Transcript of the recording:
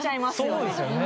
そうですよね。